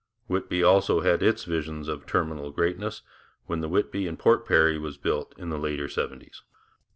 Whitby also had its visions of terminal greatness, when the Whitby and Port Perry was built in the later seventies.